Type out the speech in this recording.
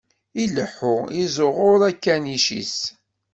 Ileḥḥu, iẓẓuɣuṛ akanic-is.